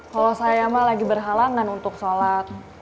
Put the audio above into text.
kalau saya mah lagi berhalangan untuk sholat